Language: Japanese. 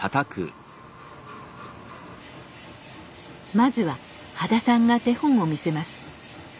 まずは羽田さんが手本を見せます。